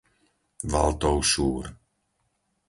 Valtov Šúr